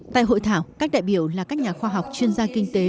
tại hội thảo các đại biểu là các nhà khoa học chuyên gia kinh tế